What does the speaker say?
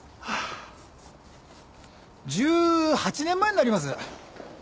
１８年前になります。